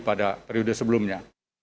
pada periode sebelumnya